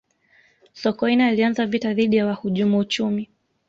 sokoine alianza vita dhidi ya wahujumu uchumi